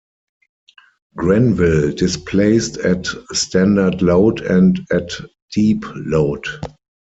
"Grenville" displaced at standard load and at deep load.